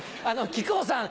木久扇さん